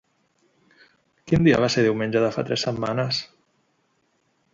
Quin dia va ser diumenge de fa tres setmanes?